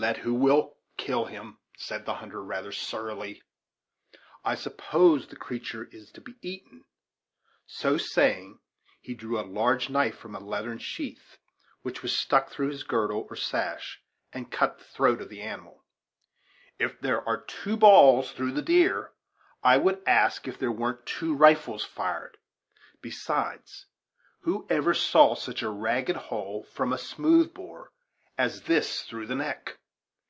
"Let who will kill him." said the hunter, rather surily. "I suppose the creature is to be eaten." So saying, he drew a large knife from a leathern sheath, which was stuck through his girdle, or sash, and cut the throat of the animal, "If there are two balls through the deer, I would ask if there weren't two rifles fired besides, who ever saw such a ragged hole from a smooth bore as this through the neck?